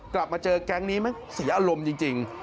กลับมาเจอแก๊งนี้มั้งเสียอารมณ์จริง